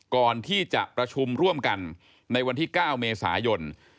ก่อนที่จะประชุมร่วมกันในวันที่๙เมษายน